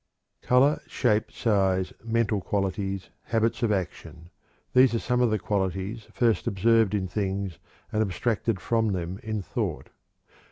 Color, shape, size, mental qualities, habits of action these are some of the qualities first observed in things and abstracted from them in thought.